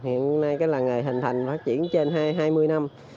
hiện nay cái làng nghề hình thành phát triển trên hai mươi năm